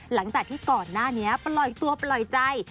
หลังจากที่ก่อนหน้านี้ปล่อยตัวปล่อยใจ